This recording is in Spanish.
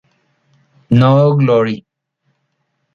No Glory.".